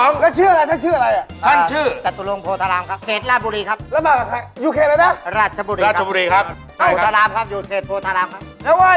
นี่จะเป็นเรื่องยังไง